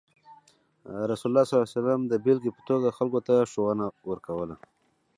رسول الله صلى الله عليه وسلم د بیلګې په توګه خلکو ته ښوونه ورکوله.